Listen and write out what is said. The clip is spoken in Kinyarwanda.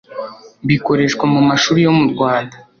bikoreshwa mu mashuri yo mu Rwanda.